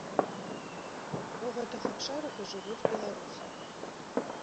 У гэтых абшарах і жывуць беларусы.